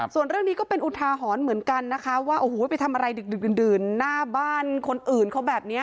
ส่วนเรื่องนี้ก็เป็นอุทาหรณ์เหมือนกันนะคะว่าโอ้โหไปทำอะไรดึกดื่นหน้าบ้านคนอื่นเขาแบบนี้